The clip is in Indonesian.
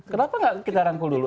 kenapa nggak kita rangkul dulu